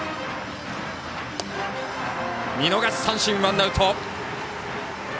見逃し三振、ワンアウト。